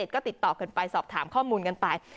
๐๘๙๒๑๓๔๐๘๗ก็ติดต่อกันไปสอบถามข้อมูลกันไป